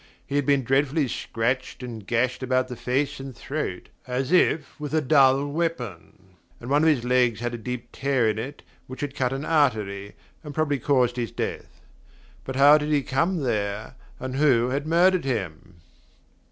He had been dreadfully scratched and gashed about the face and throat, as if with a dull weapon; and one of his legs had a deep tear in it which had cut an artery, and probably caused his death. But how did he come there, and who had murdered him?